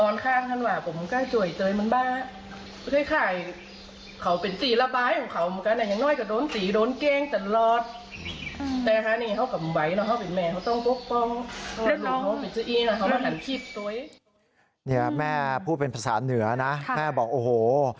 แม่พูดเป็นภาษาเหนือนะแม่บอกโอ้โห